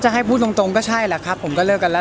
สาเหตุหลักคืออะไรหรอครับผมว่าเราก็ไม่คอมิวนิเคทกัน